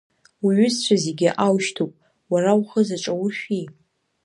Уҩызцәа зегьы аушьҭуп, уара ухы заҿауршәи?